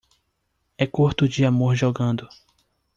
É curto de amor jogando